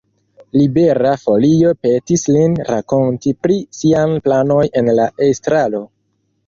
Libera Folio petis lin rakonti pri siaj planoj en la estraro.